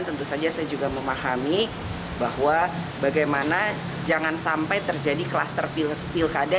tentu saja saya juga memahami bahwa bagaimana jangan sampai terjadi kluster pilkada